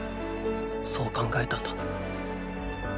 そう考えたんだ。